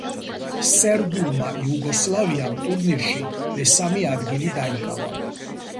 სერბულმა „იუგოსლავიამ“ ტურნირში მესამე ადგილი დაიკავა.